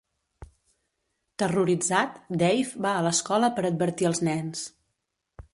Terroritzat, Dave va a l'escola per advertir els nens.